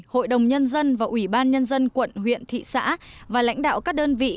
hội đồng nhân dân và ủy ban nhân dân quận huyện thị xã và lãnh đạo các đơn vị